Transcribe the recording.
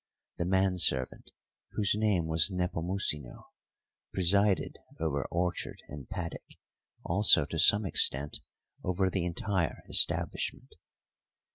The manservant, whose name was Nepomucino, presided over orchard and paddock, also to some extent over the entire establishment.